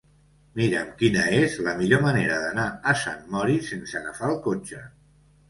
Mira'm quina és la millor manera d'anar a Sant Mori sense agafar el cotxe.